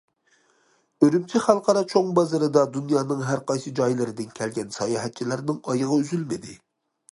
ئۈرۈمچى خەلقئارا چوڭ بازىرىدا دۇنيانىڭ ھەرقايسى جايلىرىدىن كەلگەن ساياھەتچىلەرنىڭ ئايىغى ئۈزۈلمىدى.